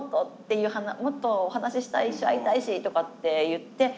「もっと話したいし会いたいし」とかって言って。